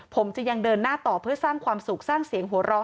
ผมจะยังเดินหน้าต่อเพื่อสร้างความสุขสร้างเสียงหัวเราะ